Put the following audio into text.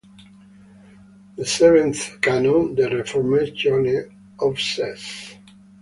The seventh canon, "De Reformatione", of Sess.